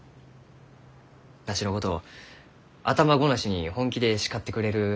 わしのことを頭ごなしに本気で叱ってくれる姉様じゃ。